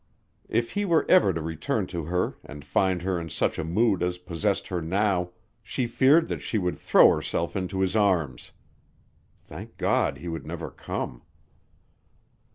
If he were ever to return to her and find her in such a mood as possessed her now, she feared that she would throw herself into his arms. Thank God he would never come!